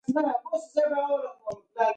یو کرنګ آس تړلی دی.